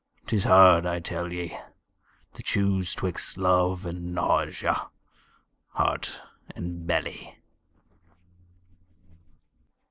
'Tis hard, I tell ye, To choose 'twixt love and nausea, heart and belly.